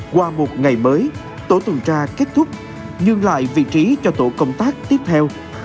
qua một ngày mới tổ tuần tra kết thúc nhường lại vị trí cho tổ công tác tiếp theo